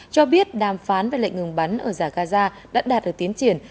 cho biết đàm phán về lệnh ngừng bắn ở giải gaza đã đạt được tiến triển